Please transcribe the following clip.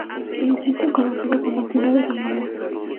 El distrito es conocido como "Ciudad de San Ramón".